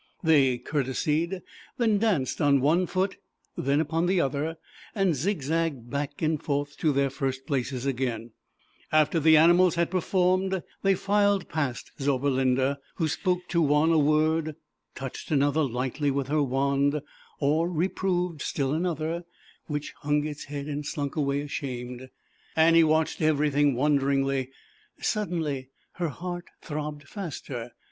They courte sied, then danced on one foot, then upon the other and zigzagged back and forth to their first places again. After the animals had performed, they filed past Zauberlinda, who spoke to one a word, touched another lightly with hpi* Wand, or reproved still another, which 7 1 j|l V<l 7 ZAUBERLINDA E WISE WITCH. hung its head and slunk awav ashamed. i i ^Kt ^nlfcnMi i Annie watched everything wondermgly. j^^Jf O y Suddenly, her heart throbbed faster.